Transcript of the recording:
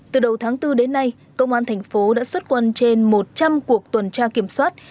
từ đầu tháng bốn đến nay công an thành phố đã xuất quân trên một trăm linh cuộc tuần tra kiểm soát